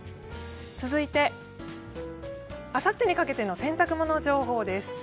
続いてあさってにかけての洗濯物情報です。